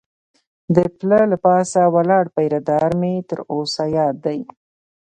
د پله له پاسه ولاړ پیره دار مې تر اوسه یاد دی.